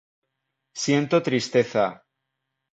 Siento tristeza